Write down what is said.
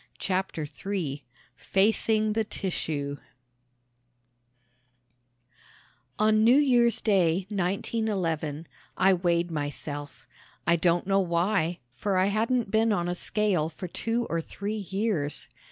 CHAPTER III FACING THE TISSUE On New Year's Day, 1911, I weighed myself. I don't know why, for I hadn't been on a scale for two or three years.